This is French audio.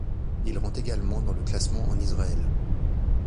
Il rentre également dans le classement en Israël.